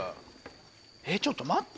えっちょっと待って。